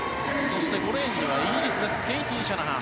５レーンには、イギリスケイティ・シャナハン。